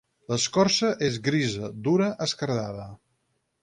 L'escorça és grisa, dura, esquerdada.